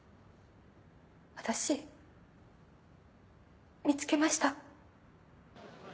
私見つけました。